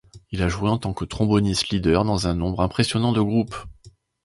Il a joué en tant que tromboniste leader dans un nombre impressionnant de groupe.